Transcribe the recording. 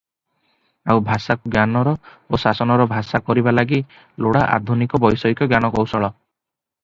ଆଉ ଭାଷାକୁ ଜ୍ଞାନର ଓ ଶାସନର ଭାଷା କରିବା ଲାଗି ଲୋଡ଼ା ଆଧୁନିକ ବୈଷୟିକ ଜ୍ଞାନକୌଶଳ ।